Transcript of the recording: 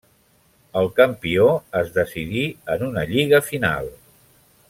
El campió es decidí en una lliga final.